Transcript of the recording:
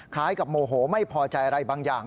คล้ายกับโมโหไม่พอใจอะไรบางอย่าง